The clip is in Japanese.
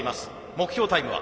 目標タイムは？